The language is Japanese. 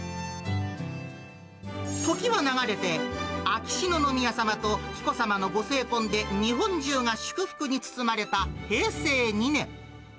時は流れて、秋篠宮さまと紀子さまのご成婚で日本中が祝福に包まれた平成２年。